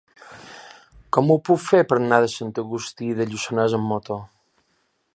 Com ho puc fer per anar a Sant Agustí de Lluçanès amb moto?